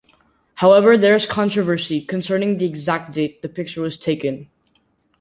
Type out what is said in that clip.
However, there is controversy concerning the exact date the picture was taken.